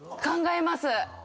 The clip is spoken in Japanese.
考えます。